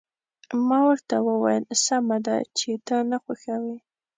ما ورته وویل: سمه ده، چې ته نه خوښوې.